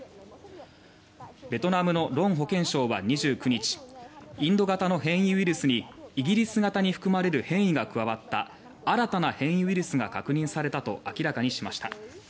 ベトナムのロン保健相は２９日インド型の変異ウイルスにイギリス型に含まれる変異が加わった新たな変異ウイルスが確認されたと明らかにしました。